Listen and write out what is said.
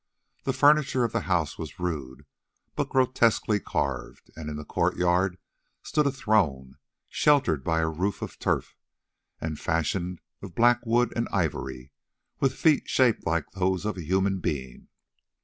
The furniture of the house was rude but grotesquely carved, and in the courtyard stood a throne, sheltered by a roof of turf, and fashioned of black wood and ivory, with feet shaped like those of a human being.